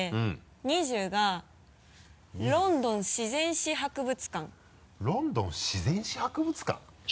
２０が「ロンドン自然史博物館」「ロンドン自然史博物館」？